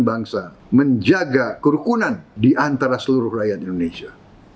bangsa menjaga kerukunan di antara seluruh rakyat indonesia